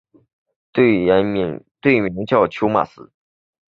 队名叫狄玛斯。